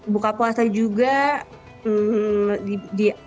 buka puasa juga kita masak bareng bareng